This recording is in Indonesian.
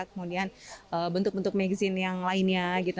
kemudian bentuk bentuk magisin yang lainnya gitu